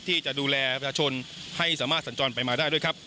ที่จะดูแลประชาชนให้สามารถสัญจรไปมาได้ด้วยครับ